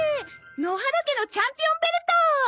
野原家のチャンピオンベルト！